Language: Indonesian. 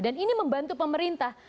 dan ini membantu pemerintah